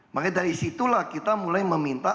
makanya dari situlah kita mulai meminta